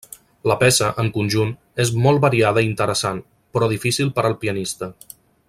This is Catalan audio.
La peça, en conjunt, és molt variada i interessant, però difícil per al pianista.